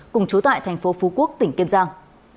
cùng chú tại tp phú quốc tỉnh kiên giang